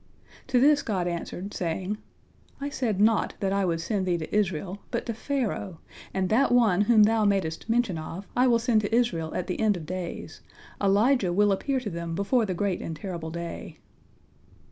To this God answered, saying, "I said not that I would send thee to Israel, but to Pharaoh, and that one whom thou madest mention of, I will send to Israel at the end of days—Elijah will appear to them before the great and terrible day."